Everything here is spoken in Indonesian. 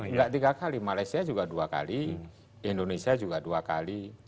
enggak tiga kali malaysia juga dua kali indonesia juga dua kali